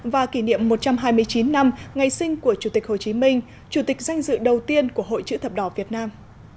và kỷ niệm một trăm hai mươi chín năm ngày sinh của chủ tịch hồ chí minh chủ tịch danh dự đầu tiên của hội chữ thập đỏ việt nam